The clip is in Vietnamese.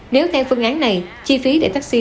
nếu theo phương án này chi phí để taxi